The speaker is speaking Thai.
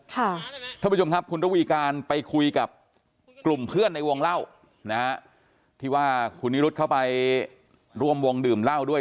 ท่านผู้ชมครับคุณระวีการไปคุยกับกลุ่มเพื่อนในวงเล่านะฮะที่ว่าคุณนิรุธเข้าไปร่วมวงดื่มเหล้าด้วย